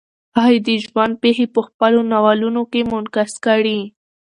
هغې د ژوند پېښې په خپلو ناولونو کې منعکس کړې.